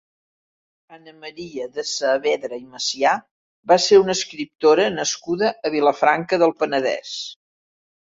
Anna Maria de Saavedra i Macià va ser una escriptora nascuda a Vilafranca del Penedès.